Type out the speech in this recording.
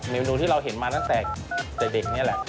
เมนูที่เราเห็นมาตั้งแต่เด็กนี่แหละ